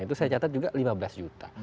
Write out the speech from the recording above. itu saya catat juga lima belas juta